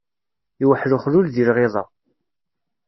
Iwḥel uxlul di lɣiḍa.